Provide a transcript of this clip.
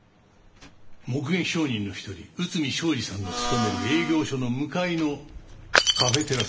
目撃証人の１人内海将司さんの勤める営業所の向かいのカフェテラスですよ。